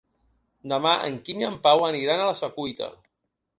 Demà en Quim i en Pau aniran a la Secuita.